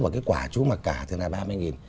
mà cái quả chú mặc cả thì là ba mươi nghìn